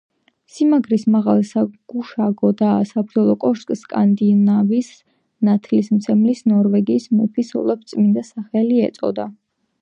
სიმაგრის მაღალ, საგუშაგო და საბრძოლო კოშკს სკანდინავიის ნათლისმცემლის, ნორვეგიის მეფის ოლაფ წმინდას სახელი ეწოდა.